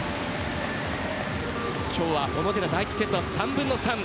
今日は小野寺第１セットは３分の３。